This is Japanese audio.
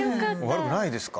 悪くないですか。